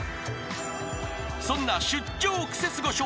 ［そんな出張クセスゴ笑